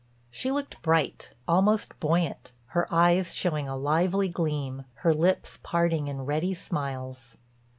She looked bright, almost buoyant, her eyes showing a lively gleam, her lips parting in ready smiles.